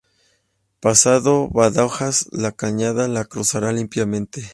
Pasado Badajoz la Cañada lo cruzará limpiamente.